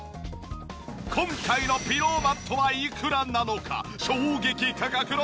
今回のピローマットはいくらなのか？